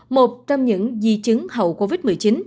một trong những di chứng hậu covid một mươi chín